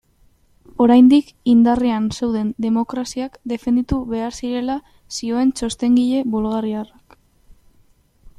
Oraindik indarrean zeuden demokraziak defenditu behar zirela zioen txostengile bulgariarrak.